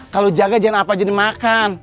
kalau jaga jangan apa apa aja dimakan